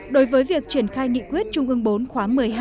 đối với việc triển khai nghị quyết trung ương bốn khóa một mươi hai